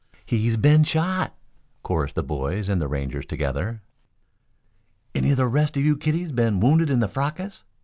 "He's been shot," chorused the boys and the Rangers together. "Any of the rest of you kiddies been wounded in the fracas?"